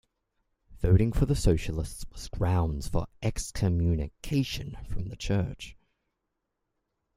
Voting for the Socialists was grounds for excommunication from the Church.